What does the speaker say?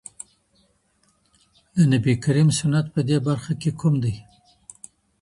د نبي کريم سنت په دې برخه کي کوم دی؟